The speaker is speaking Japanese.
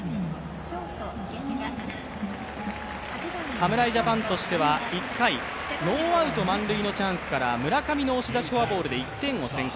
侍ジャパンとしては１回、ノーアウト満塁のチャンスから村上の押し出しフォアボールで１点を先行。